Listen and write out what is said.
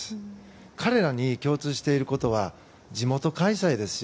彼らに共通していることは地元開催ですよ。